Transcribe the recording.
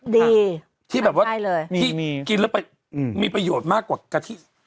ดีที่แบบว่าที่กินแล้วไปมีประโยชน์มากกว่ากะทิ